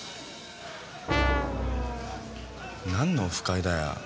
何のオフ会だよ。